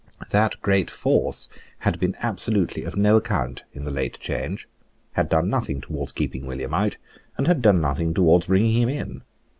That great force had been absolutely of no account in the late change, had done nothing towards keeping William out, and had done nothing towards bringing him in.